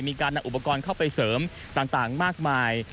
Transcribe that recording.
มีการนำอุปกรณ์เข้าไปเสริมต่างมากมาย